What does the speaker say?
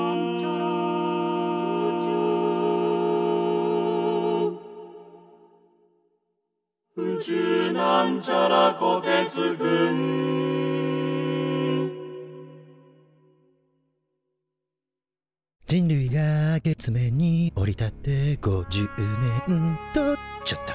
「宇宙」人類が月面に降り立って５０年！とちょっと。